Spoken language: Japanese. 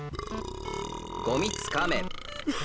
「ゴミつかめ」。